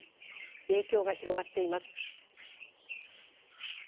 影響が広がっています。